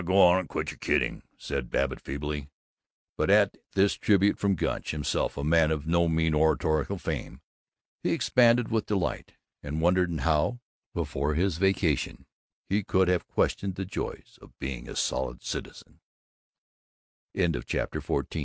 "Go on, quit your kidding," said Babbitt feebly, but at this tribute from Gunch, himself a man of no mean oratorical fame, he expanded with delight and wondered how, before his vacation, he could have questioned the joys of being a solid cit